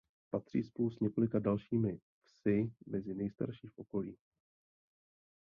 Patří spolu s několika dalšími vsi mezi nejstarší v okolí.